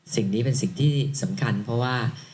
สิ่งนี้เป็นสิ่งที่สำคัญเพราะว่า